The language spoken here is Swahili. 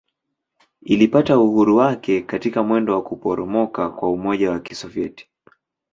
Ilipata uhuru wake katika mwendo wa kuporomoka kwa Umoja wa Kisovyeti.